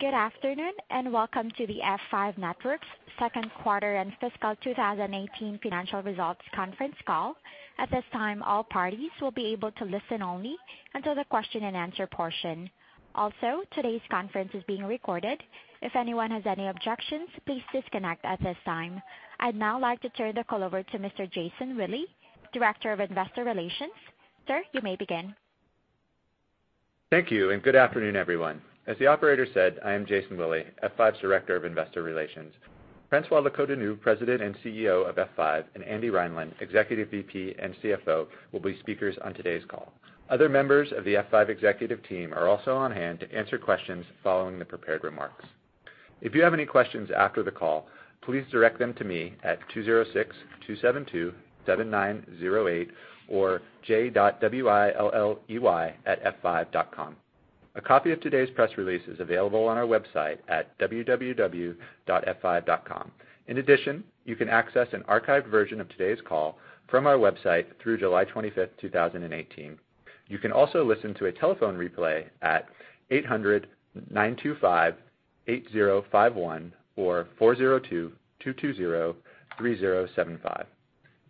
Good afternoon, and welcome to the F5, Inc. second quarter and fiscal 2018 financial results conference call. At this time, all parties will be able to listen only until the question and answer portion. Also, today's conference is being recorded. If anyone has any objections, please disconnect at this time. I'd now like to turn the call over to Mr. Jason Willey, Director of Investor Relations. Sir, you may begin. Thank you, and good afternoon, everyone. As the operator said, I am Jason Willey, F5's Director of Investor Relations. François Locoh-Donou, President and CEO of F5, and Andy Reinland, Executive VP and CFO, will be speakers on today's call. Other members of the F5 executive team are also on hand to answer questions following the prepared remarks. If you have any questions after the call, please direct them to me at 206-272-7908 or j.willey@f5.com. A copy of today's press release is available on our website at www.f5.com. In addition, you can access an archived version of today's call from our website through July 25th, 2018. You can also listen to a telephone replay at 800-925-8051 or 402-220-3075.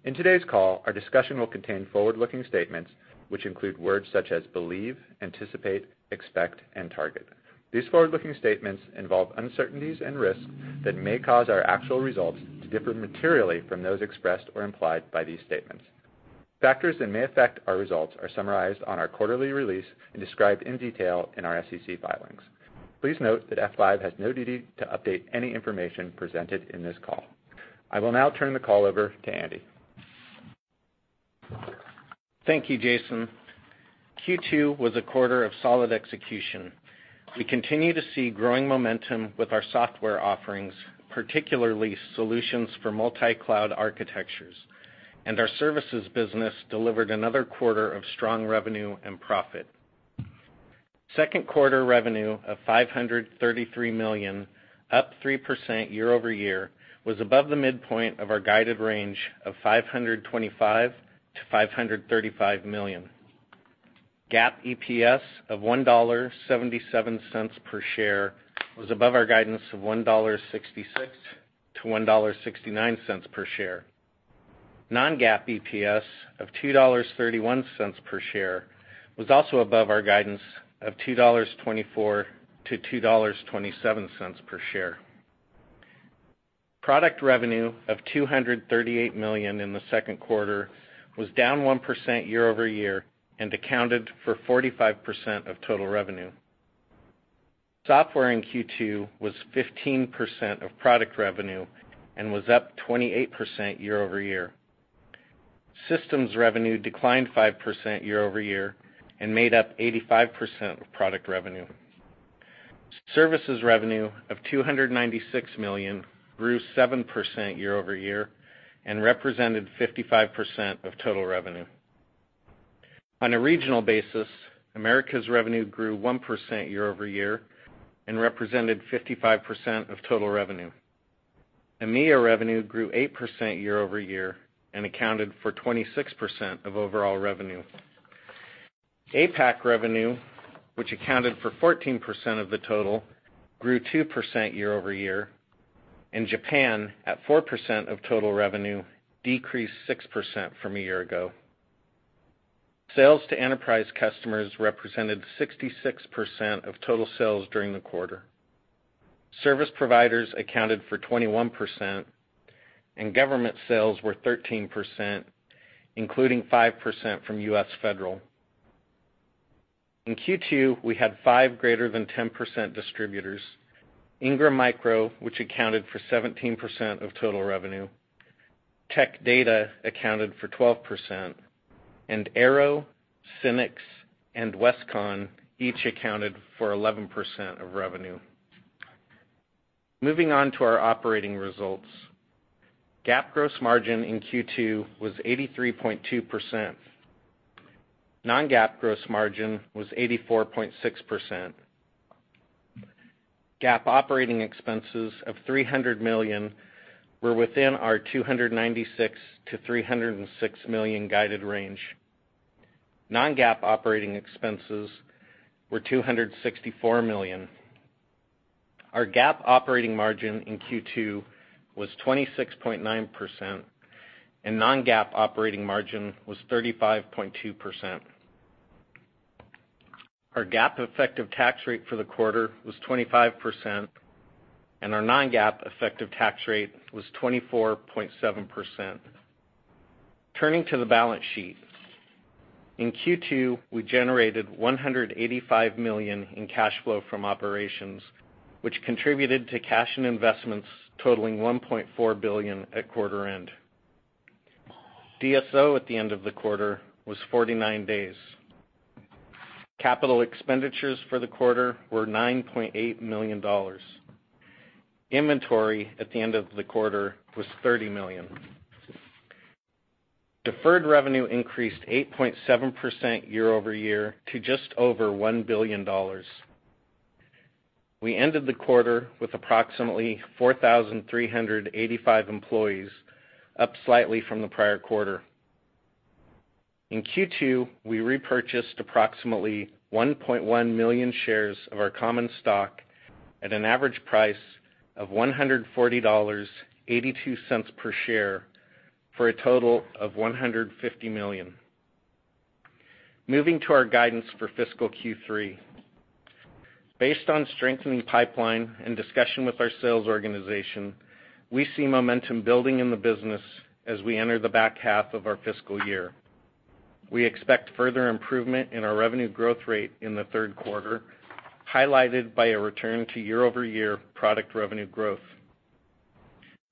In today's call, our discussion will contain forward-looking statements, which include words such as believe, anticipate, expect, and target. These forward-looking statements involve uncertainties and risks that may cause our actual results to differ materially from those expressed or implied by these statements. Factors that may affect our results are summarized on our quarterly release and described in detail in our SEC filings. Please note that F5 has no duty to update any information presented in this call. I will now turn the call over to Andy. Thank you, Jason. Q2 was a quarter of solid execution. We continue to see growing momentum with our software offerings, particularly solutions for multi-cloud architectures, and our services business delivered another quarter of strong revenue and profit. Second quarter revenue of $533 million, up 3% year-over-year, was above the midpoint of our guided range of $525 million-$535 million. GAAP EPS of $1.77 per share was above our guidance of $1.66-$1.69 per share. Non-GAAP EPS of $2.31 per share was also above our guidance of $2.24-$2.27 per share. Product revenue of $238 million in the second quarter was down 1% year-over-year and accounted for 45% of total revenue. Software in Q2 was 15% of product revenue and was up 28% year-over-year. Systems revenue declined 5% year-over-year and made up 85% of product revenue. Services revenue of $296 million grew 7% year-over-year and represented 55% of total revenue. On a regional basis, Americas revenue grew 1% year-over-year and represented 55% of total revenue. EMEA revenue grew 8% year-over-year and accounted for 26% of overall revenue. APAC revenue, which accounted for 14% of the total, grew 2% year-over-year. Japan, at 4% of total revenue, decreased 6% from a year ago. Sales to enterprise customers represented 66% of total sales during the quarter. Service providers accounted for 21%, and government sales were 13%, including 5% from U.S. federal. In Q2, we had five greater than 10% distributors. Ingram Micro, which accounted for 17% of total revenue, Tech Data accounted for 12%, and Arrow, SYNNEX, and Westcon each accounted for 11% of revenue. Moving on to our operating results. GAAP gross margin in Q2 was 83.2%. Non-GAAP gross margin was 84.6%. GAAP operating expenses of $300 million were within our $296 million-$306 million guided range. Non-GAAP operating expenses were $264 million. Our GAAP operating margin in Q2 was 26.9%, and non-GAAP operating margin was 35.2%. Our GAAP effective tax rate for the quarter was 25%, and our non-GAAP effective tax rate was 24.7%. Turning to the balance sheet. In Q2, we generated $185 million in cash flow from operations, which contributed to cash and investments totaling $1.4 billion at quarter end. DSO at the end of the quarter was 49 days. Capital expenditures for the quarter were $9.8 million. Inventory at the end of the quarter was $30 million. Deferred revenue increased 8.7% year-over-year to just over $1 billion. We ended the quarter with approximately 4,385 employees, up slightly from the prior quarter. In Q2, we repurchased approximately 1.1 million shares of our common stock at an average price of $140.82 per share for a total of $150 million. Moving to our guidance for fiscal Q3. Based on strengthening pipeline and discussion with our sales organization, we see momentum building in the business as we enter the back half of our fiscal year. We expect further improvement in our revenue growth rate in the third quarter, highlighted by a return to year-over-year product revenue growth.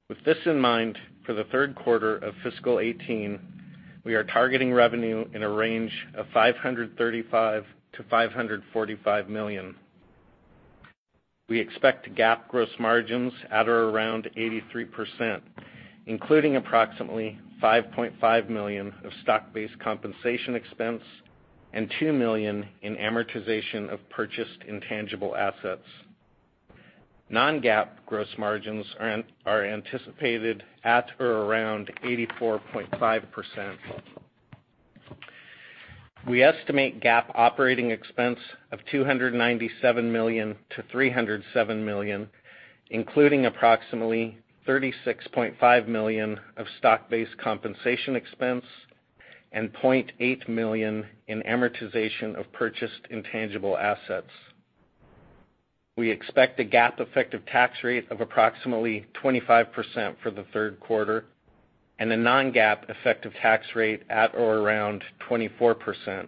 With this in mind, for the third quarter of fiscal 2018, we are targeting revenue in a range of $535 million-$545 million. We expect GAAP gross margins at or around 83%, including approximately $5.5 million of stock-based compensation expense and $2 million in amortization of purchased intangible assets. Non-GAAP gross margins are anticipated at or around 84.5%. We estimate GAAP operating expense of $297 million-$307 million, including approximately $36.5 million of stock-based compensation expense and $0.8 million in amortization of purchased intangible assets. We expect a GAAP effective tax rate of approximately 25% for the third quarter and a non-GAAP effective tax rate at or around 24%.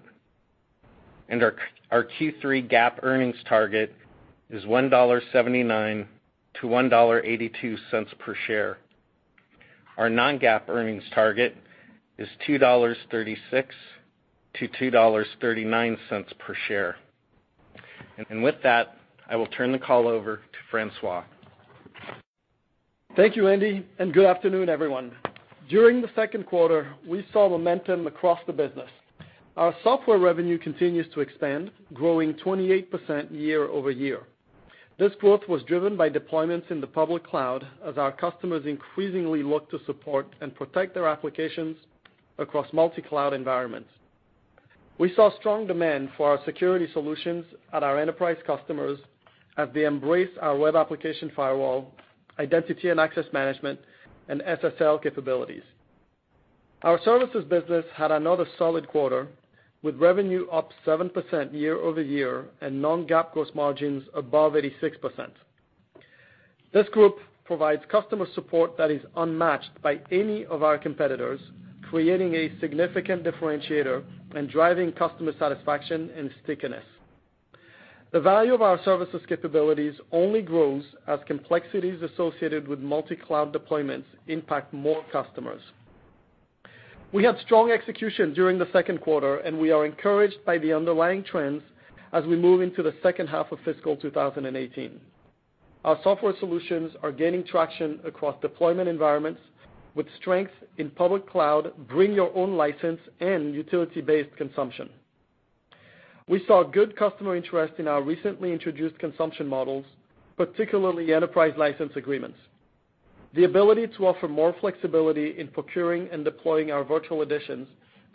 Our Q3 GAAP earnings target is $1.79-$1.82 per share. Our non-GAAP earnings target is $2.36-$2.39 per share. With that, I will turn the call over to François. Thank you, Andy, and good afternoon, everyone. During the second quarter, we saw momentum across the business. Our software revenue continues to expand, growing 28% year-over-year. This growth was driven by deployments in the public cloud as our customers increasingly look to support and protect their applications across multi-cloud environments. We saw strong demand for our security solutions at our enterprise customers as they embrace our web application firewall, identity and access management, and SSL capabilities. Our services business had another solid quarter, with revenue up 7% year-over-year and non-GAAP gross margins above 86%. This group provides customer support that is unmatched by any of our competitors, creating a significant differentiator and driving customer satisfaction and stickiness. The value of our services capabilities only grows as complexities associated with multi-cloud deployments impact more customers. We had strong execution during the second quarter, we are encouraged by the underlying trends as we move into the second half of fiscal 2018. Our software solutions are gaining traction across deployment environments with strength in public cloud, bring-your-own-license, and utility-based consumption. We saw good customer interest in our recently introduced consumption models, particularly Enterprise License Agreements. The ability to offer more flexibility in procuring and deploying our virtual editions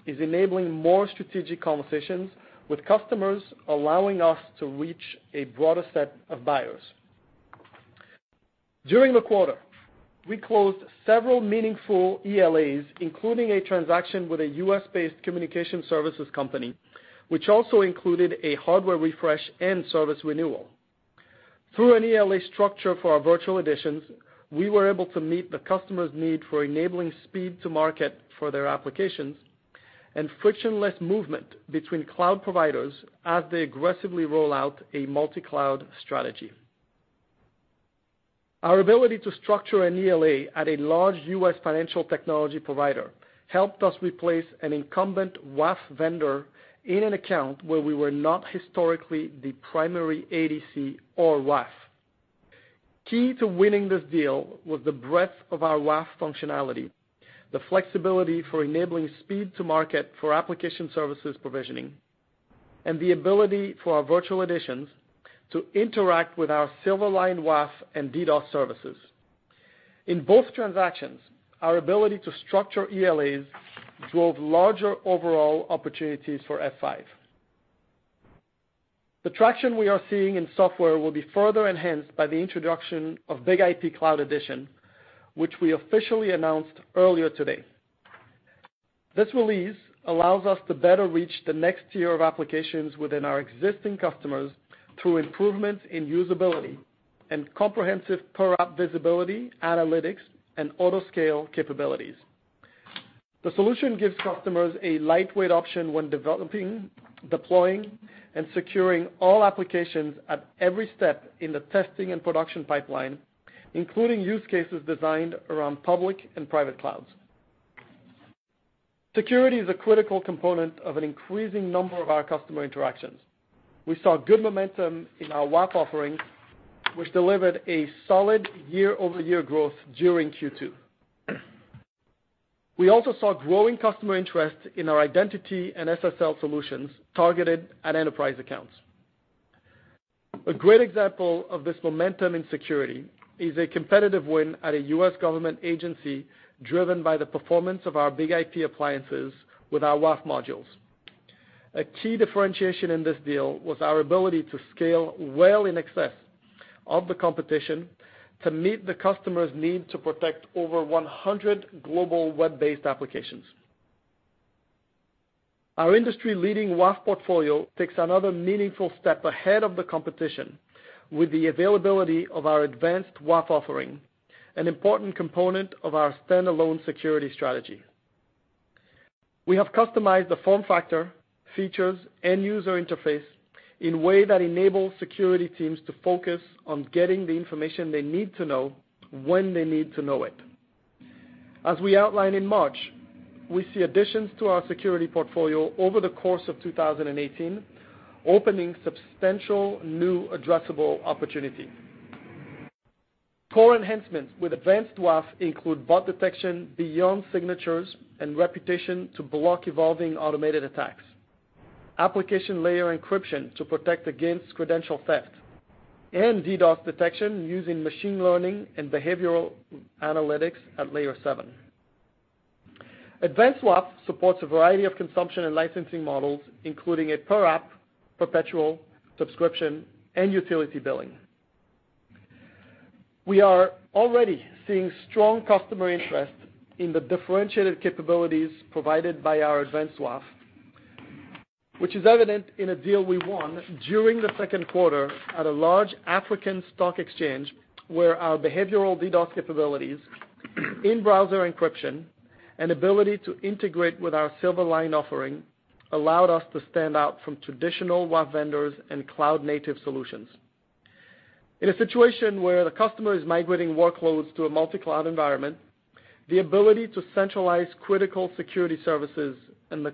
is enabling more strategic conversations with customers, allowing us to reach a broader set of buyers. During the quarter, we closed several meaningful ELAs, including a transaction with a U.S.-based communication services company, which also included a hardware refresh and service renewal. Through an ELA structure for our virtual editions, we were able to meet the customer's need for enabling speed to market for their applications and frictionless movement between cloud providers as they aggressively roll out a multi-cloud strategy. Our ability to structure an ELA at a large U.S. financial technology provider helped us replace an incumbent WAF vendor in an account where we were not historically the primary ADC or WAF. Key to winning this deal was the breadth of our WAF functionality, the flexibility for enabling speed to market for application services provisioning, and the ability for our virtual editions to interact with our Silverline WAF and DDoS services. In both transactions, our ability to structure ELAs drove larger overall opportunities for F5. The traction we are seeing in software will be further enhanced by the introduction of BIG-IP Cloud Edition, which we officially announced earlier today. This release allows us to better reach the next tier of applications within our existing customers through improvements in usability and comprehensive per-app visibility, analytics, and auto-scale capabilities. The solution gives customers a lightweight option when developing, deploying, and securing all applications at every step in the testing and production pipeline, including use cases designed around public and private clouds. Security is a critical component of an increasing number of our customer interactions. We saw good momentum in our WAF offerings, which delivered a solid year-over-year growth during Q2. We also saw growing customer interest in our identity and SSL solutions targeted at enterprise accounts. A great example of this momentum in security is a competitive win at a U.S. government agency driven by the performance of our BIG-IP appliances with our WAF modules. A key differentiation in this deal was our ability to scale well in excess of the competition to meet the customer's need to protect over 100 global web-based applications. Our industry-leading WAF portfolio takes another meaningful step ahead of the competition with the availability of our Advanced WAF offering, an important component of our standalone security strategy. We have customized the form factor, features, end-user interface in a way that enables security teams to focus on getting the information they need to know when they need to know it. As we outlined in March, we see additions to our security portfolio over the course of 2018, opening substantial new addressable opportunities. Core enhancements with Advanced WAF include bot detection beyond signatures and reputation to block evolving automated attacks, application layer encryption to protect against credential theft, and DDoS detection using machine learning and behavioral analytics at layer 7. Advanced WAF supports a variety of consumption and licensing models, including a per app, perpetual, subscription, and utility billing. We are already seeing strong customer interest in the differentiated capabilities provided by our Advanced WAF, which is evident in a deal we won during the second quarter at a large African stock exchange, where our behavioral DDoS capabilities, in-browser encryption, and ability to integrate with our Silverline offering allowed us to stand out from traditional WAF vendors and cloud-native solutions. From an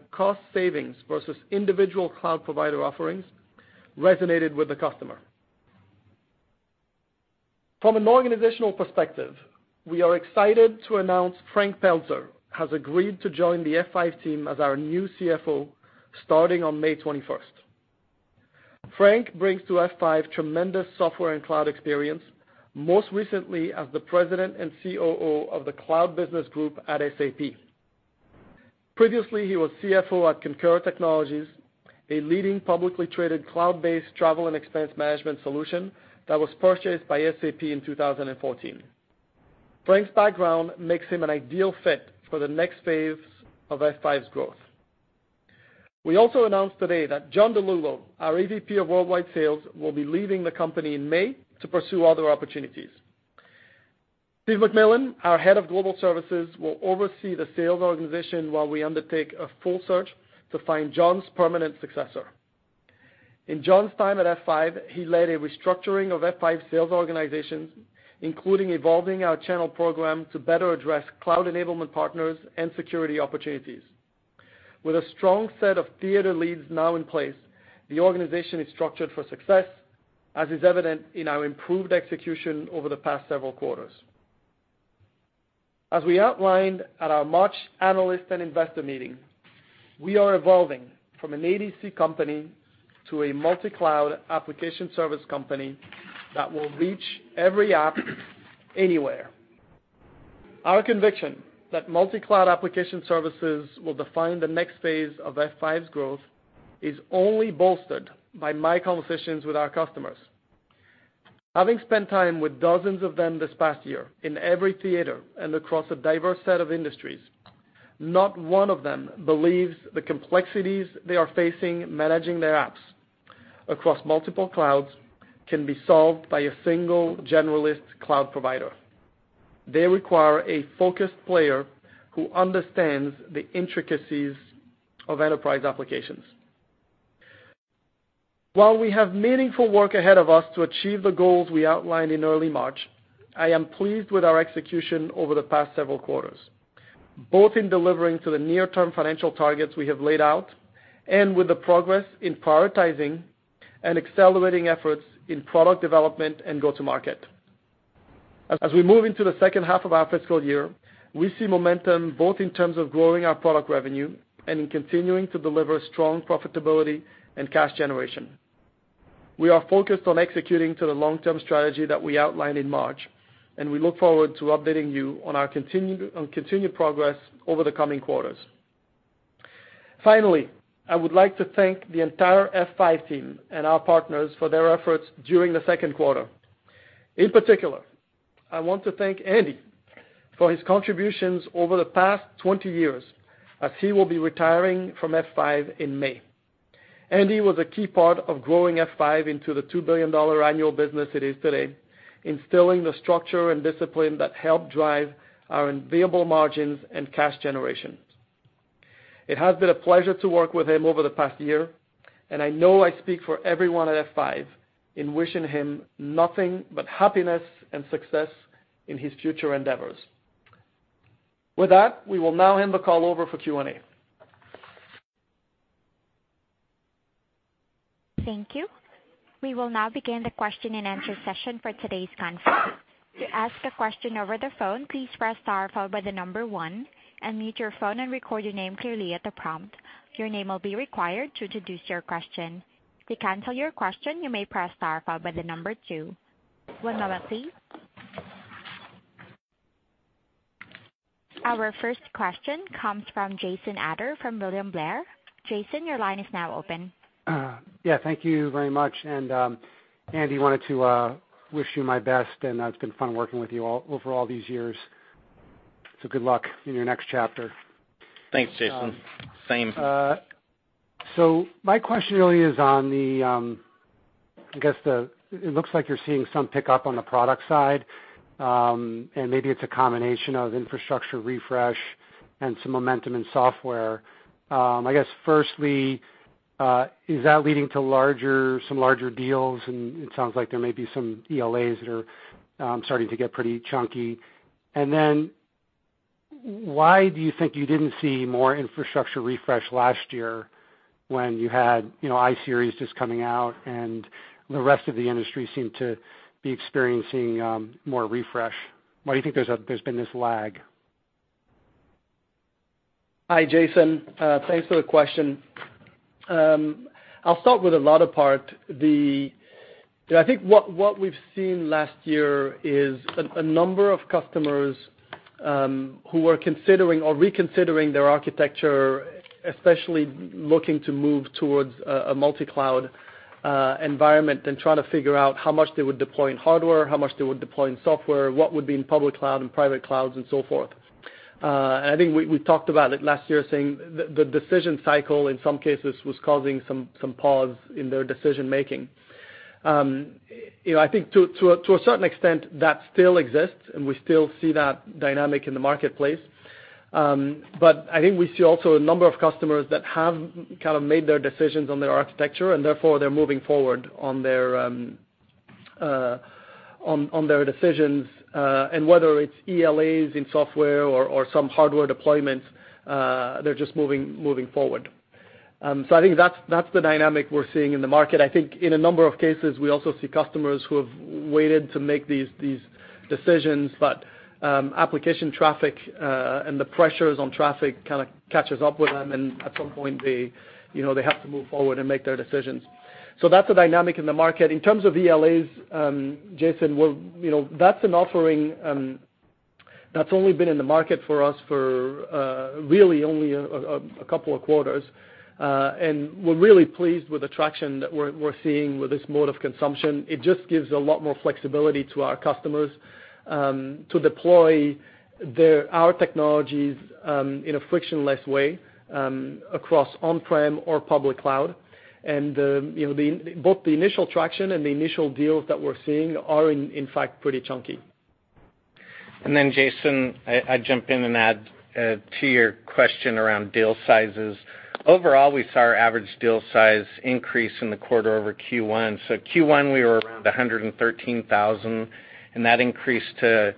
organizational perspective, we are excited to announce Frank Pelzer has agreed to join the F5 team as our new CFO starting on May 21st. Frank brings to F5 tremendous software and cloud experience, most recently as the President and COO of the cloud business group at SAP. Previously, he was CFO at Concur Technologies, a leading publicly traded cloud-based travel and expense management solution that was purchased by SAP in 2014. Frank's background makes him an ideal fit for the next phase of F5's growth. We also announced today that John DiLullo, our AVP of worldwide sales, will be leaving the company in May to pursue other opportunities. Steve McMillan, our head of global services, will oversee the sales organization while we undertake a full search to find John's permanent successor. In John's time at F5, he led a restructuring of F5's sales organization, including evolving our channel program to better address cloud enablement partners and security opportunities. With a strong set of theater leads now in place, the organization is structured for success, as is evident in our improved execution over the past several quarters. As we outlined at our March Analyst & Investor Meeting, we are evolving from an ADC company to a multi-cloud application service company that will reach every app anywhere. Our conviction that multi-cloud application services will define the next phase of F5's growth is only bolstered by my conversations with our customers. Having spent time with dozens of them this past year in every theater and across a diverse set of industries, not one of them believes the complexities they are facing managing their apps across multiple clouds can be solved by a single generalist cloud provider. They require a focused player who understands the intricacies of enterprise applications. While we have meaningful work ahead of us to achieve the goals we outlined in early March, I am pleased with our execution over the past several quarters, both in delivering to the near-term financial targets we have laid out and with the progress in prioritizing and accelerating efforts in product development and go-to-market. As we move into the second half of our fiscal year, we see momentum both in terms of growing our product revenue and in continuing to deliver strong profitability and cash generation. We are focused on executing to the long-term strategy that we outlined in March, and we look forward to updating you on our continued progress over the coming quarters. Finally, I would like to thank the entire F5 team and our partners for their efforts during the second quarter. In particular, I want to thank Andy for his contributions over the past 20 years, as he will be retiring from F5 in May. Andy was a key part of growing F5 into the $2 billion annual business it is today, instilling the structure and discipline that helped drive our enviable margins and cash generation. It has been a pleasure to work with him over the past year, and I know I speak for everyone at F5 in wishing him nothing but happiness and success in his future endeavors. With that, we will now hand the call over for Q&A. Thank you. We will now begin the question and answer session for today's conference. To ask a question over the phone, please press star followed by the number one, unmute your phone, and record your name clearly at the prompt. Your name will be required to introduce your question. To cancel your question, you may press star followed by the number two. One moment please. Our first question comes from Jason Ader from William Blair. Jason, your line is now open. Yeah, thank you very much. Andy, wanted to wish you my best, and it's been fun working with you over all these years. Good luck in your next chapter. Thanks, Jason. Same. My question really is on the, it looks like you're seeing some pickup on the product side, and maybe it's a combination of infrastructure refresh and some momentum in software. I guess firstly, is that leading to some larger deals? It sounds like there may be some ELAs that are starting to get pretty chunky. Why do you think you didn't see more infrastructure refresh last year when you had iSeries just coming out and the rest of the industry seemed to be experiencing more refresh? Why do you think there's been this lag? Hi, Jason. Thanks for the question. I'll start with the latter part. I think what we've seen last year is a number of customers who were considering or reconsidering their architecture, especially looking to move towards a multi-cloud environment and trying to figure out how much they would deploy in hardware, how much they would deploy in software, what would be in public cloud and private clouds and so forth. I think we talked about it last year, saying the decision cycle in some cases was causing some pause in their decision-making. I think to a certain extent that still exists, and we still see that dynamic in the marketplace. I think we see also a number of customers that have kind of made their decisions on their architecture, and therefore they're moving forward on their decisions. Whether it's ELAs in software or some hardware deployments, they're just moving forward. I think that's the dynamic we're seeing in the market. I think in a number of cases, we also see customers who have waited to make these decisions, but application traffic, and the pressures on traffic kind of catches up with them, and at some point they have to move forward and make their decisions. That's the dynamic in the market. In terms of ELAs, Jason, that's an offering that's only been in the market for us for really only a couple of quarters. We're really pleased with the traction that we're seeing with this mode of consumption. It just gives a lot more flexibility to our customers to deploy our technologies in a frictionless way across on-prem or public cloud. Both the initial traction and the initial deals that we're seeing are in fact pretty chunky. Jason, I jump in and add to your question around deal sizes. Overall, we saw our average deal size increase in the quarter over Q1. Q1 we were around $113,000, and that increased to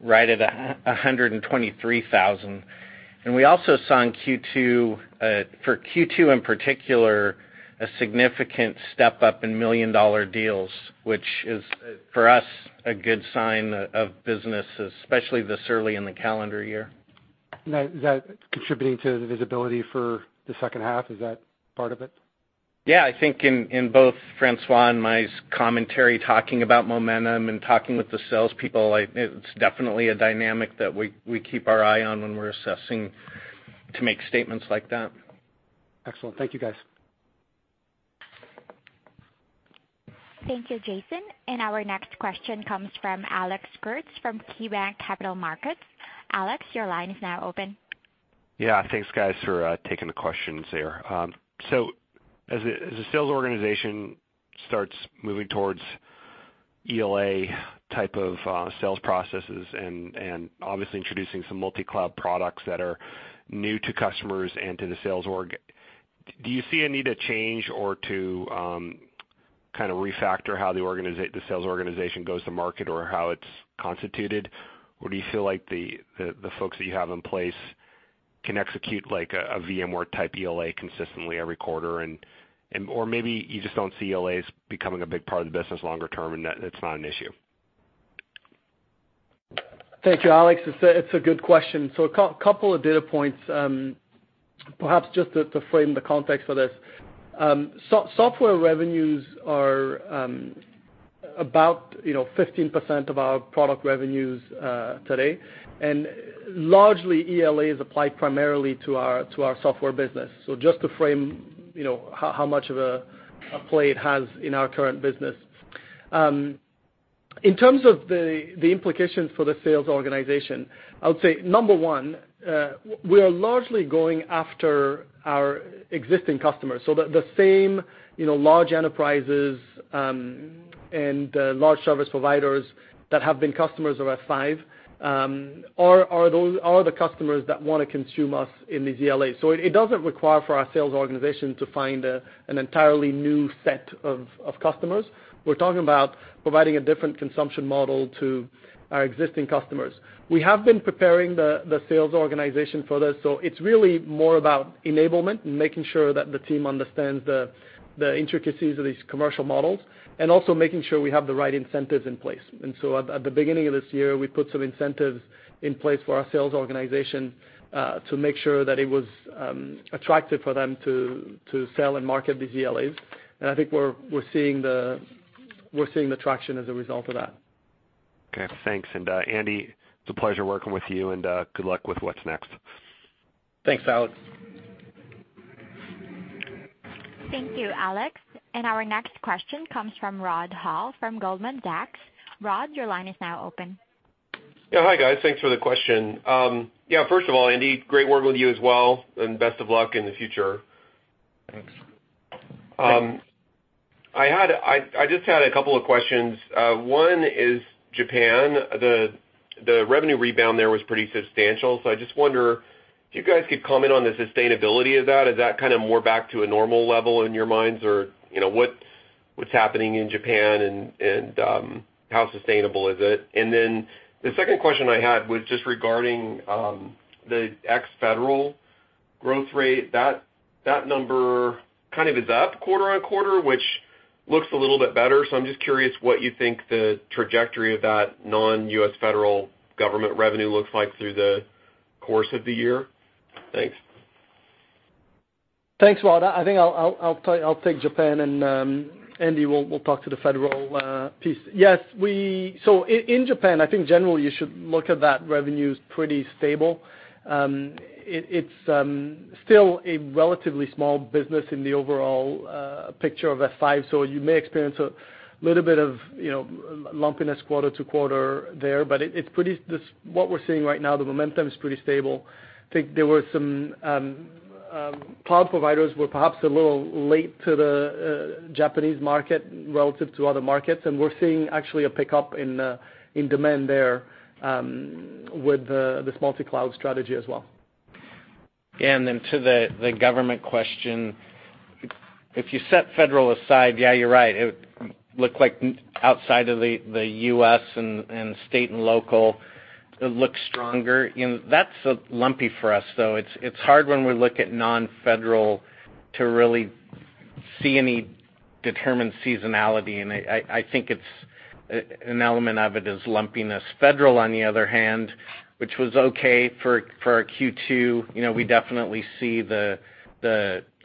right at $123,000. We also saw for Q2 in particular, a significant step up in million-dollar deals, which is for us a good sign of business, especially this early in the calendar year. Is that contributing to the visibility for the second half? Is that part of it? I think in both François and my commentary talking about momentum and talking with the salespeople, it's definitely a dynamic that we keep our eye on when we're assessing to make statements like that. Excellent. Thank you, guys. Thank you, Jason. Our next question comes from Alex Kurtz from KeyBanc Capital Markets. Alex, your line is now open. Yeah, thanks guys for taking the questions here. As a sales organization starts moving towards ELA type of sales processes and obviously introducing some multi-cloud products that are new to customers and to the sales org, do you see a need to change or to kind of refactor how the sales organization goes to market or how it's constituted? Do you feel like the folks that you have in place can execute like a VMware type ELA consistently every quarter? Maybe you just don't see ELAs becoming a big part of the business longer term, and it's not an issue. Thank you, Alex. It's a good question. A couple of data points, perhaps just to frame the context for this. Software revenues are about 15% of our product revenues today, and largely ELA is applied primarily to our software business. Just to frame how much of a play it has in our current business. In terms of the implications for the sales organization, I would say number one, we are largely going after our existing customers. The same large enterprises and large service providers that have been customers of F5 are the customers that want to consume us in these ELAs. It doesn't require for our sales organization to find an entirely new set of customers. We're talking about providing a different consumption model to our existing customers. We have been preparing the sales organization for this, so it's really more about enablement and making sure that the team understands the intricacies of these commercial models, also making sure we have the right incentives in place. At the beginning of this year, we put some incentives in place for our sales organization, to make sure that it was attractive for them to sell and market these ELAs. I think we're seeing the traction as a result of that. Okay, thanks. Andy, it's a pleasure working with you, and good luck with what's next. Thanks, Alex. Thank you, Alex. Our next question comes from Rod Hall from Goldman Sachs. Rod, your line is now open. Yeah. Hi, guys. Thanks for the question. Yeah, first of all, Andy, great working with you as well, and best of luck in the future. Thanks. I just had a couple of questions. One is Japan. The revenue rebound there was pretty substantial. I just wonder if you guys could comment on the sustainability of that. Is that more back to a normal level in your minds? What's happening in Japan, and how sustainable is it? The second question I had was just regarding the ex federal growth rate. That number is up quarter-on-quarter, which looks a little bit better. I'm just curious what you think the trajectory of that non-U.S. federal government revenue looks like through the course of the year. Thanks. Thanks, Rod. I think I'll take Japan. Andy will talk to the federal piece. Yes. In Japan, I think generally you should look at that revenue as pretty stable. It's still a relatively small business in the overall picture of F5. You may experience a little bit of lumpiness quarter-to-quarter there, but what we're seeing right now, the momentum is pretty stable. I think there were some cloud providers were perhaps a little late to the Japanese market relative to other markets. We're seeing actually a pickup in demand there with this multi-cloud strategy as well. To the government question, if you set federal aside, yeah, you're right. It would look like outside of the U.S. and state and local, it looks stronger. That's lumpy for us, though. It's hard when we look at non-federal to really see any determined seasonality. I think it's an element of it is lumpiness. Federal, on the other hand, which was okay for our Q2, we definitely see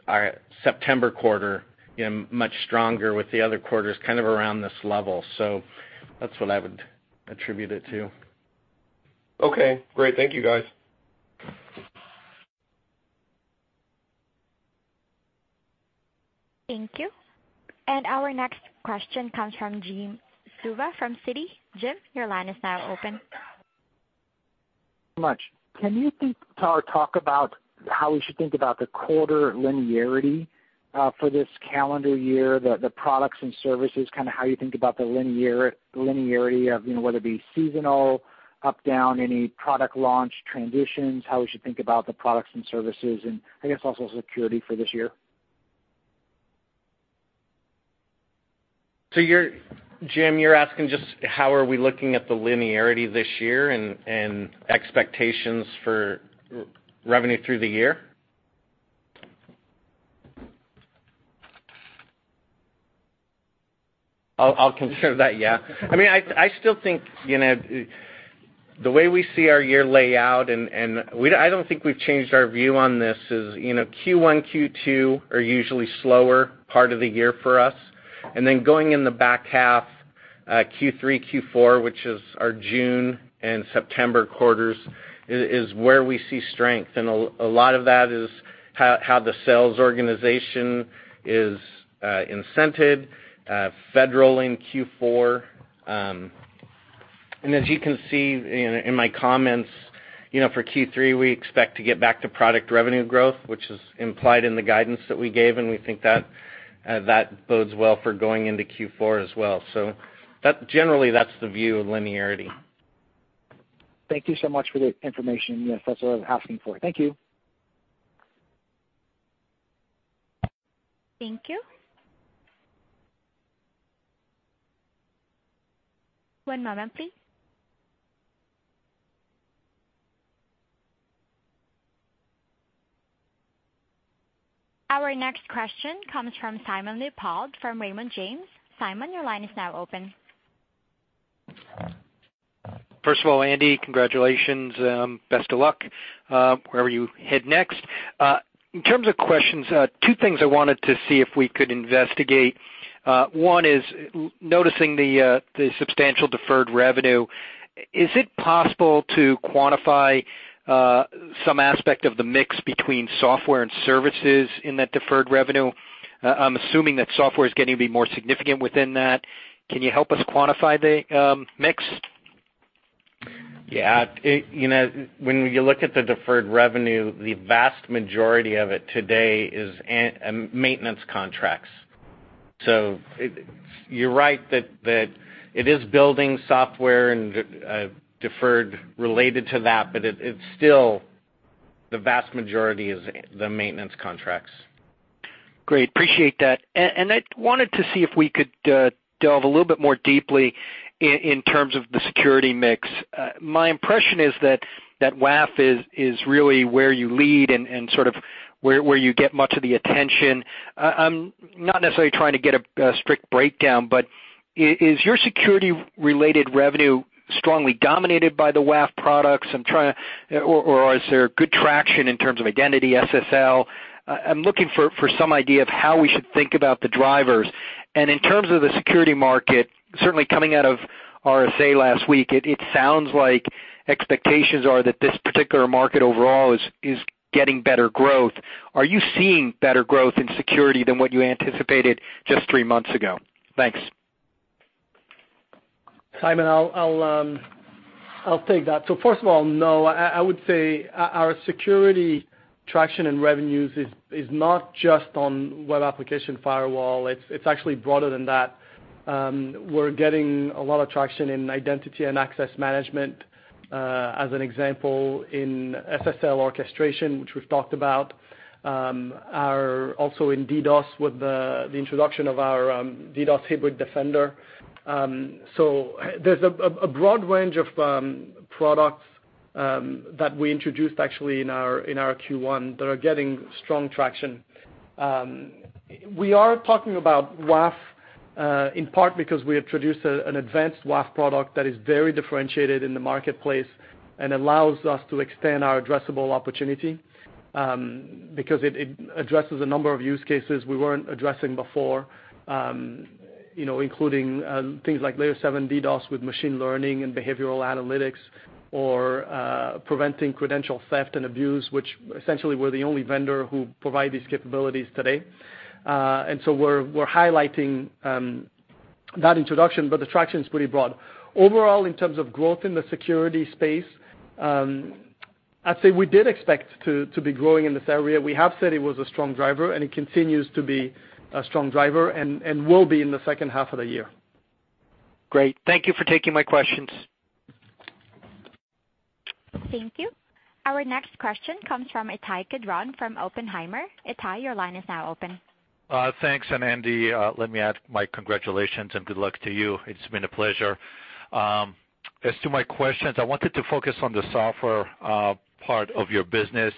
our September quarter much stronger with the other quarters around this level. That's what I would attribute it to. Okay, great. Thank you, guys. Thank you. Our next question comes from Jim Suva from Citi. Jim, your line is now open. Much. Can you talk about how we should think about the quarter linearity for this calendar year, the products and services, how you think about the linearity of, whether it be seasonal, up, down, any product launch transitions, how we should think about the products and services and I guess also security for this year? Jim, you're asking just how are we looking at the linearity this year and expectations for revenue through the year? I'll consider that, yeah. I still think the way we see our year lay out, and I don't think we've changed our view on this, is Q1, Q2 are usually slower part of the year for us. Then going in the back half, Q3, Q4, which is our June and September quarters, is where we see strength. A lot of that is how the sales organization is incented, federal in Q4. As you can see in my comments, for Q3, we expect to get back to product revenue growth, which is implied in the guidance that we gave, and we think that bodes well for going into Q4 as well. Generally, that's the view of linearity. Thank you so much for the information. Yes, that's what I was asking for. Thank you. Thank you. One moment, please. Our next question comes from Simon Leopold from Raymond James. Simon, your line is now open. First of all, Andy, congratulations. Best of luck wherever you head next. In terms of questions, two things I wanted to see if we could investigate. One is noticing the substantial deferred revenue. Is it possible to quantify some aspect of the mix between software and services in that deferred revenue? I'm assuming that software is getting to be more significant within that. Can you help us quantify the mix? Yeah. When you look at the deferred revenue, the vast majority of it today is maintenance contracts. You're right that it is building software and deferred related to that, but it's still the vast majority is the maintenance contracts. Great. Appreciate that. I wanted to see if we could delve a little bit more deeply in terms of the security mix. My impression is that WAF is really where you lead and where you get much of the attention. I'm not necessarily trying to get a strict breakdown, but is your security-related revenue strongly dominated by the WAF products? Or is there good traction in terms of identity SSL? I'm looking for some idea of how we should think about the drivers. In terms of the security market, certainly coming out of RSA last week, it sounds like expectations are that this particular market overall is getting better growth. Are you seeing better growth in security than what you anticipated just three months ago? Thanks. Simon, I'll take that. First of all, no. I would say our security traction and revenues is not just on web application firewall, it's actually broader than that. We're getting a lot of traction in identity and access management. As an example, in SSL Orchestrator, which we've talked about, also in DDoS with the introduction of our DDoS Hybrid Defender. There's a broad range of products that we introduced actually in our Q1 that are getting strong traction. We are talking about WAF, in part because we introduced an Advanced WAF product that is very differentiated in the marketplace and allows us to extend our addressable opportunity, because it addresses a number of use cases we weren't addressing before, including things like layer 7 DDoS with machine learning and behavioral analytics or preventing credential theft and abuse, which essentially we're the only vendor who provide these capabilities today. We're highlighting that introduction, but the traction is pretty broad. Overall, in terms of growth in the security space, I'd say we did expect to be growing in this area. We have said it was a strong driver, and it continues to be a strong driver and will be in the second half of the year. Great. Thank you for taking my questions. Thank you. Our next question comes from Ittai Kidron from Oppenheimer. Ittai, your line is now open. Thanks. Andy, let me add my congratulations and good luck to you. It's been a pleasure. As to my questions, I wanted to focus on the software part of your business.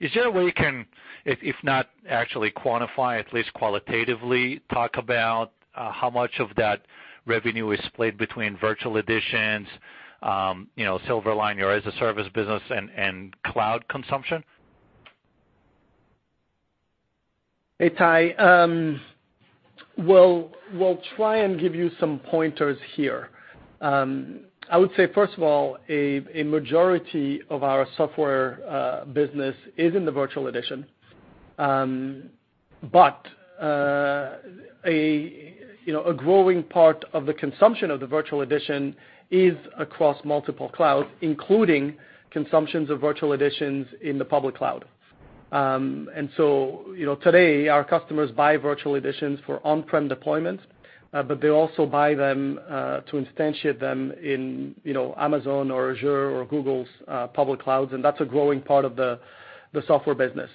Is there a way you can, if not actually quantify, at least qualitatively talk about how much of that revenue is split between virtual editions, Silverline, your as-a-service business, and cloud consumption? Ittai, we'll try and give you some pointers here. I would say, first of all, a majority of our software business is in the virtual edition. A growing part of the consumption of the virtual edition is across multiple clouds, including consumptions of virtual editions in the public cloud. Today, our customers buy virtual editions for on-prem deployments, but they also buy them to instantiate them in Amazon or Azure or Google's public clouds, and that's a growing part of the software business.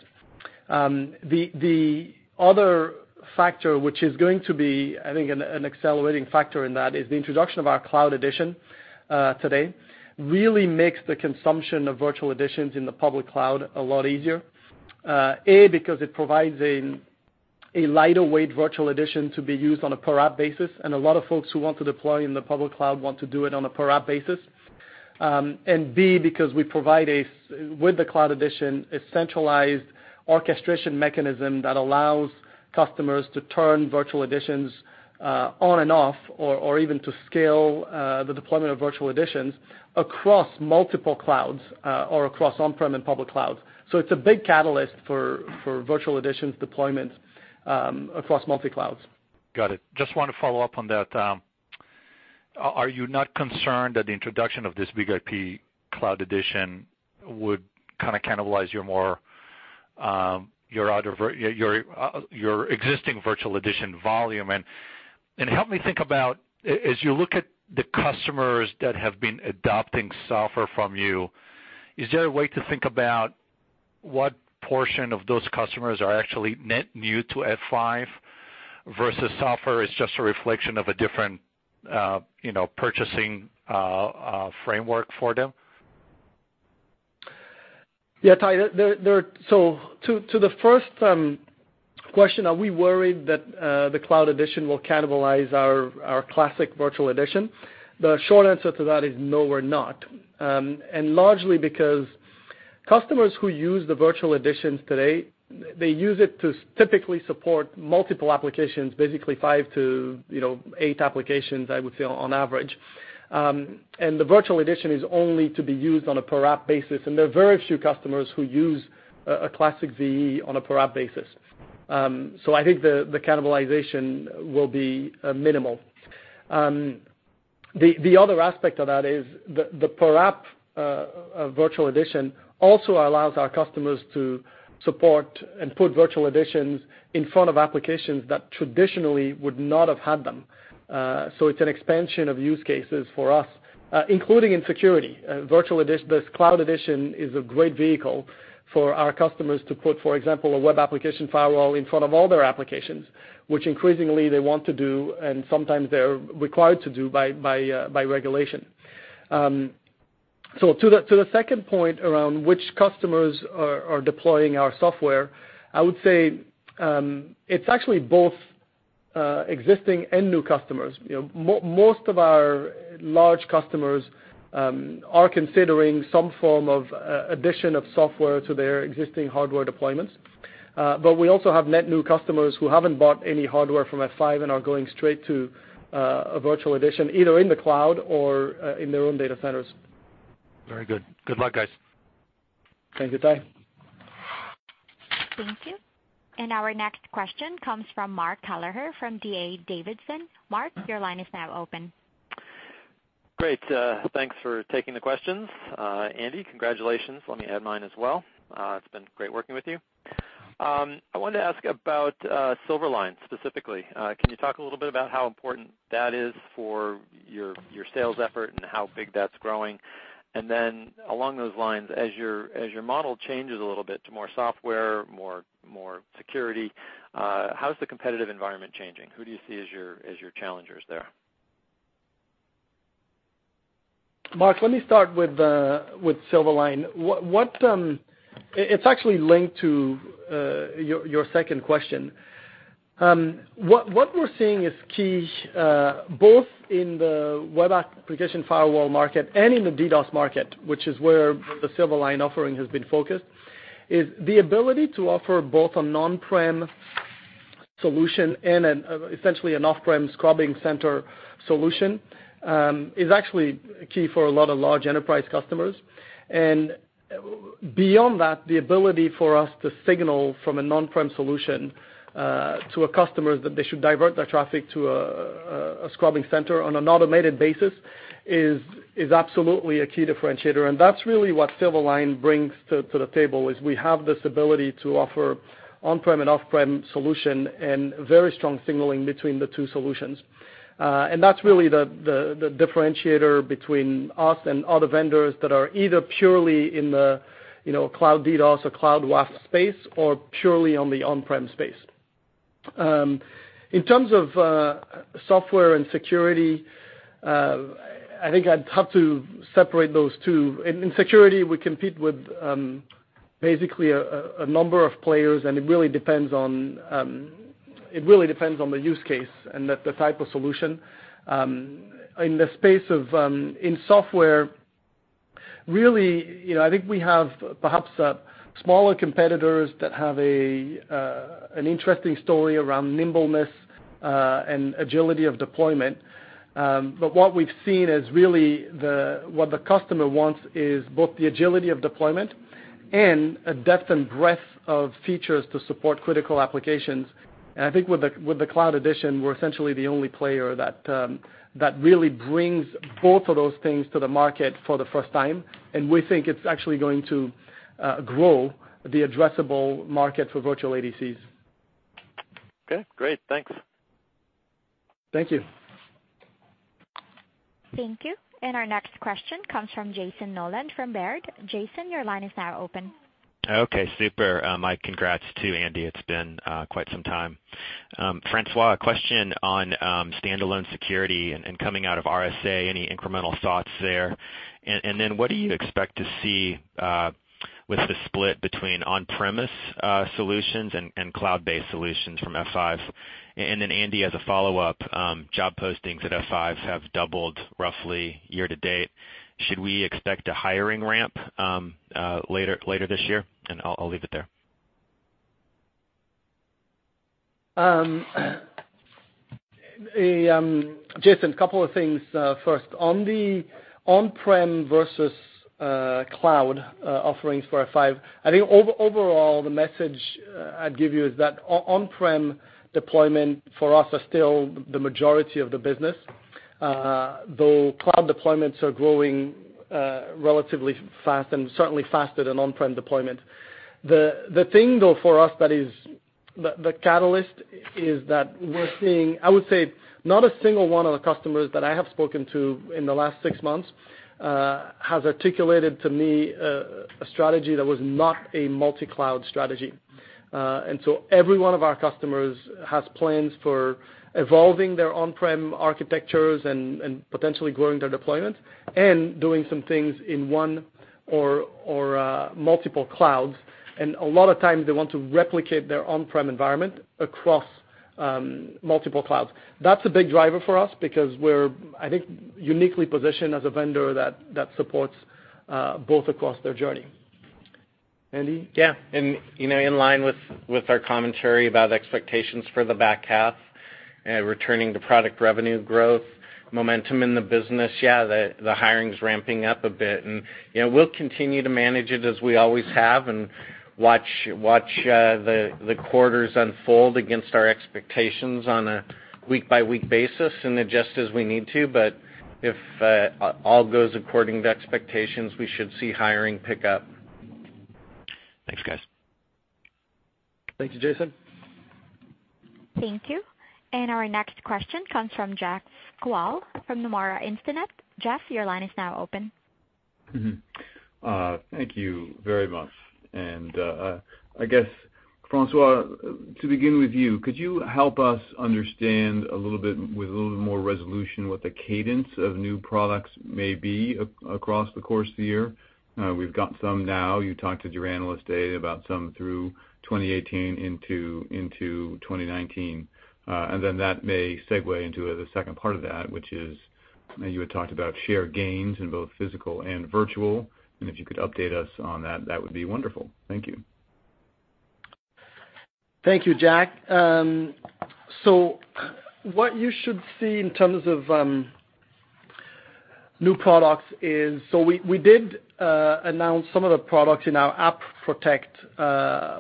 The other factor, which is going to be, I think, an accelerating factor in that is the introduction of our Cloud Edition today, really makes the consumption of virtual editions in the public cloud a lot easier. A, because it provides a lighter weight virtual edition to be used on a per-app basis, and a lot of folks who want to deploy in the public cloud want to do it on a per-app basis. B, because we provide, with the Cloud Edition, a centralized orchestration mechanism that allows customers to turn virtual editions on and off, or even to scale the deployment of virtual editions across multiple clouds or across on-prem and public clouds. It's a big catalyst for virtual editions deployment across multi clouds. Got it. Just want to follow up on that. Are you not concerned that the introduction of this BIG-IP Cloud Edition would kind of cannibalize your existing virtual edition volume? Help me think about, as you look at the customers that have been adopting software from you, is there a way to think about what portion of those customers are actually net new to F5 versus software is just a reflection of a different purchasing framework for them? Yeah, Ittai. To the first question, are we worried that the Cloud Edition will cannibalize our classic virtual edition? The short answer to that is no, we're not. Largely because customers who use the virtual editions today, they use it to typically support multiple applications, basically five to eight applications, I would say, on average. The virtual edition is only to be used on a per-app basis, and there are very few customers who use a classic VE on a per-app basis. I think the cannibalization will be minimal. The other aspect of that is the per-app virtual edition also allows our customers to support and put virtual editions in front of applications that traditionally would not have had them. It's an expansion of use cases for us, including in security. This Cloud Edition is a great vehicle for our customers to put, for example, a web application firewall in front of all their applications, which increasingly they want to do, and sometimes they're required to do by regulation. To the second point around which customers are deploying our software, I would say it's actually both existing and new customers. Most of our large customers are considering some form of addition of software to their existing hardware deployments. We also have net new customers who haven't bought any hardware from F5 and are going straight to a virtual edition, either in the cloud or in their own data centers. Very good. Good luck, guys. Thank you. Bye. Thank you. Our next question comes from Mark Kelleher from D.A. Davidson. Mark, your line is now open. Great. Thanks for taking the questions. Andy, congratulations. Let me add mine as well. It's been great working with you. I wanted to ask about Silverline specifically. Can you talk a little bit about how important that is for your sales effort and how big that's growing? Then along those lines, as your model changes a little bit to more software, more security, how's the competitive environment changing? Who do you see as your challengers there? Mark, let me start with Silverline. It's actually linked to your second question. What we're seeing is key both in the web application firewall market and in the DDoS market, which is where the Silverline offering has been focused, is the ability to offer both an on-prem solution and essentially an off-prem scrubbing center solution is actually key for a lot of large enterprise customers. Beyond that, the ability for us to signal from an on-prem solution to a customer that they should divert their traffic to a scrubbing center on an automated basis is absolutely a key differentiator. That's really what Silverline brings to the table, is we have this ability to offer on-prem and off-prem solution and very strong signaling between the two solutions. That's really the differentiator between us and other vendors that are either purely in the cloud DDoS or cloud WAF space, or purely on the on-prem space. In terms of software and security, I think I'd have to separate those two. In security, we compete with basically a number of players, and it really depends on the use case and the type of solution. In software, really, I think we have perhaps smaller competitors that have an interesting story around nimbleness and agility of deployment. What we've seen is really what the customer wants is both the agility of deployment and a depth and breadth of features to support critical applications. I think with the Cloud Edition, we're essentially the only player that really brings both of those things to the market for the first time, and we think it's actually going to grow the addressable market for virtual ADCs. Okay, great. Thanks. Thank you. Thank you. Our next question comes from Jason Noland from Baird. Jason, your line is now open. Okay, super. My congrats too, Andy. It's been quite some time. François, a question on standalone security and coming out of RSA, any incremental thoughts there? What do you expect to see with the split between on-premise solutions and cloud-based solutions from F5? Andy, as a follow-up, job postings at F5 have doubled roughly year-to-date. Should we expect a hiring ramp later this year? I'll leave it there. Jason, couple of things. First, on the on-prem versus cloud offerings for F5, I think overall, the message I'd give you is that on-prem deployment for us are still the majority of the business, though cloud deployments are growing relatively fast and certainly faster than on-prem deployment. The thing though for us that is the catalyst is that we're seeing, I would say not a single one of the customers that I have spoken to in the last 6 months has articulated to me a strategy that was not a multi-cloud strategy. Every one of our customers has plans for evolving their on-prem architectures and potentially growing their deployment and doing some things in one or multiple clouds. A lot of times they want to replicate their on-prem environment across multiple clouds. That's a big driver for us because we're, I think, uniquely positioned as a vendor that supports both across their journey. Andy? Yeah. In line with our commentary about expectations for the back half, returning to product revenue growth, momentum in the business, yeah, the hiring's ramping up a bit. We'll continue to manage it as we always have and watch the quarters unfold against our expectations on a week-by-week basis and adjust as we need to. If all goes according to expectations, we should see hiring pick up. Thanks, guys. Thank you, Jason. Thank you. Our next question comes from Jeff Kvaal from Nomura Instinet. Jeff, your line is now open. Thank you very much. I guess, François, to begin with you, could you help us understand a little bit with a little bit more resolution what the cadence of new products may be across the course of the year? We've got some now, you talked to your analyst day about some through 2018 into 2019. That may segue into the second part of that, which is, you had talked about shared gains in both physical and virtual, and if you could update us on that would be wonderful. Thank you. Thank you, Jeff. What you should see in terms of new products is, we did announce some of the products in our App Protect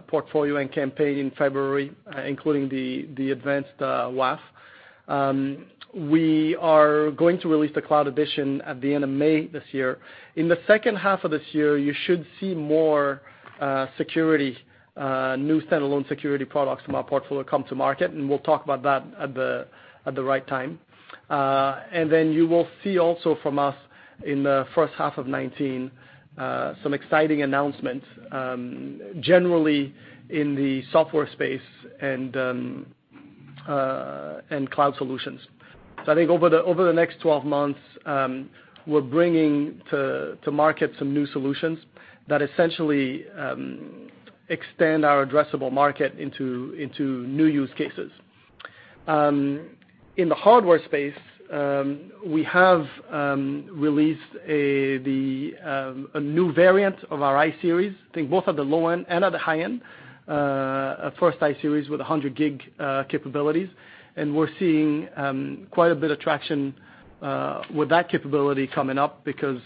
portfolio and campaign in February, including the Advanced WAF. We are going to release the Cloud Edition at the end of May this year. In the second half of this year, you should see more new standalone security products from our portfolio come to market, and we'll talk about that at the right time. Then you will see also from us in the first half of 2019, some exciting announcements, generally in the software space and cloud solutions. I think over the next 12 months, we're bringing to market some new solutions that essentially extend our addressable market into new use cases. In the hardware space, we have released a new variant of our iSeries, I think both at the low end and at the high end, a first iSeries with 100 gig capabilities. We're seeing quite a bit of traction with that capability coming up because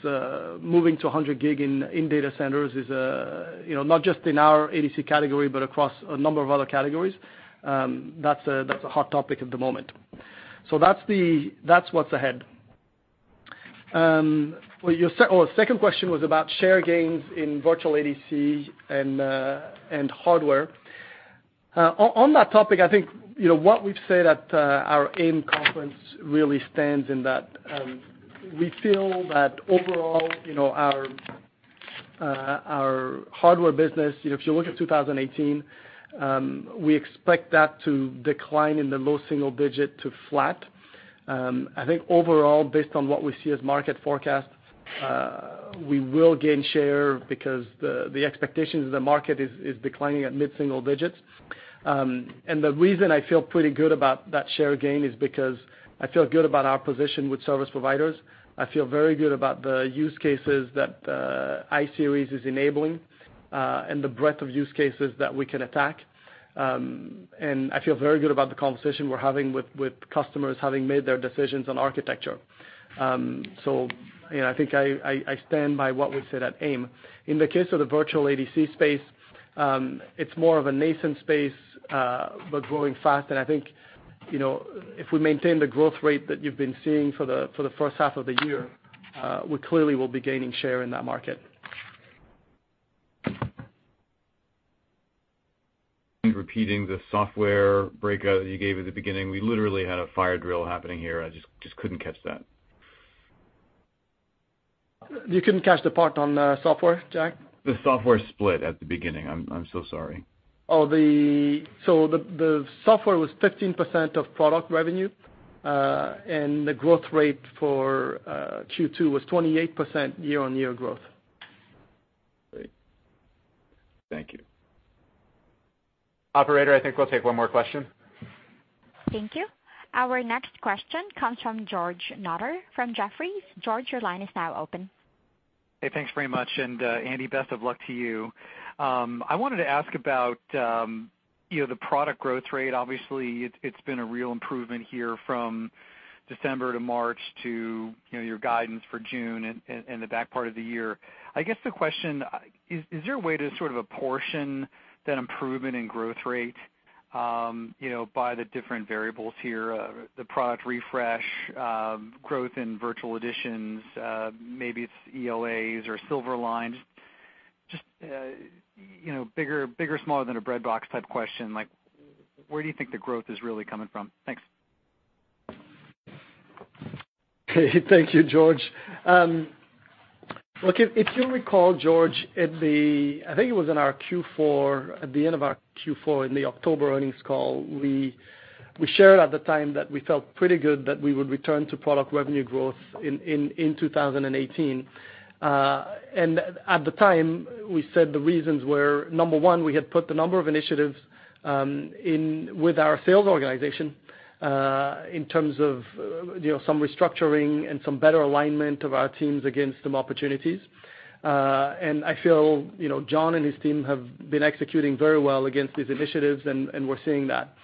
moving to 100 gig in data centers, not just in our ADC category, but across a number of other categories. That's a hot topic at the moment. That's what's ahead. Your second question was about share gains in virtual ADC and hardware. On that topic, I think, what we've said at our AIM conference really stands in that we feel that overall, our hardware business, if you look at 2018, we expect that to decline in the low single digit to flat. I think overall, based on what we see as market forecasts, we will gain share because the expectations of the market is declining at mid-single digits. The reason I feel pretty good about that share gain is because I feel good about our position with service providers. I feel very good about the use cases that iSeries is enabling, the breadth of use cases that we can attack. I feel very good about the conversation we're having with customers having made their decisions on architecture. I think I stand by what we've said at AIM. In the case of the virtual ADC space, it's more of a nascent space, but growing fast. I think, if we maintain the growth rate that you've been seeing for the first half of the year, we clearly will be gaining share in that market. You repeating the software breakout that you gave at the beginning. We literally had a fire drill happening here. I just couldn't catch that. You couldn't catch the part on software, Jeff? The software split at the beginning. I'm so sorry. The software was 15% of product revenue, and the growth rate for Q2 was 28% year-on-year growth. Great. Thank you. Operator, I think we'll take one more question. Thank you. Our next question comes from George Notter from Jefferies. George, your line is now open. Hey, thanks very much. Andy, best of luck to you. I wanted to ask about the product growth rate. Obviously, it's been a real improvement here from December to March to your guidance for June and the back part of the year. I guess the question, is there a way to sort of apportion that improvement in growth rate by the different variables here, the product refresh, growth in virtual editions, maybe it's ELAs or Silverline? Just bigger, smaller than a breadbox type question, like where do you think the growth is really coming from? Thanks. Thank you, George. Look, if you'll recall, George, I think it was at the end of our Q4, in the October earnings call, we shared at the time that we felt pretty good that we would return to product revenue growth in 2018. At the time, we said the reasons were, number one, we had put a number of initiatives in with our sales organization, in terms of some restructuring and some better alignment of our teams against some opportunities. I feel John and his team have been executing very well against these initiatives, and we're seeing that.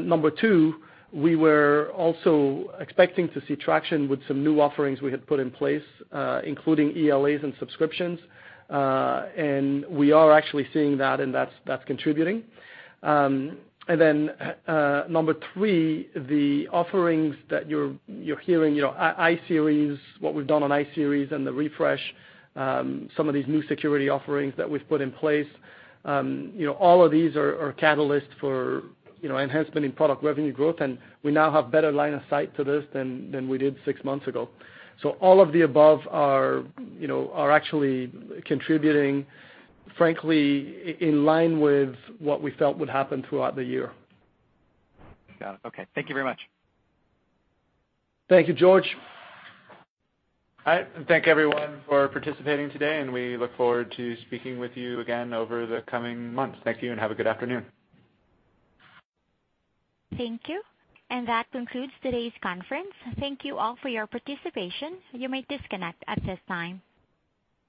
Number two, we were also expecting to see traction with some new offerings we had put in place, including ELAs and subscriptions. We are actually seeing that, and that's contributing. Number three, the offerings that you're hearing, iSeries, what we've done on iSeries and the refresh, some of these new security offerings that we've put in place, all of these are catalysts for enhancement in product revenue growth, and we now have better line of sight to this than we did six months ago. All of the above are actually contributing, frankly, in line with what we felt would happen throughout the year. Got it. Okay. Thank you very much. Thank you, George. All right. Thank everyone for participating today. We look forward to speaking with you again over the coming months. Thank you and have a good afternoon. Thank you. That concludes today's conference. Thank you all for your participation. You may disconnect at this time.